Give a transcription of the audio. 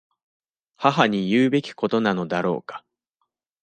母に言うべきことなのだろうか。